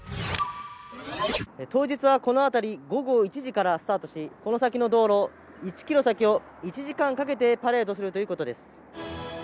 当日はこの辺り、午後１時からスタートしてこの先の道路、１ｋｍ先を１時間かけてパレードするということです。